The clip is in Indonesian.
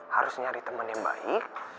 harus nyari teman yang baik